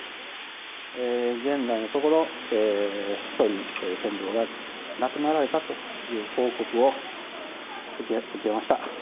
現在のところ、１人、船頭が亡くなられたという報告を受けました。